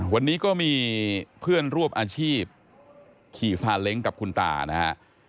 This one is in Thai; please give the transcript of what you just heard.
วันนี้ก็มีเพื่อนร่วมอาชีพขี่ซาเล้งกับคุณตานะฮะ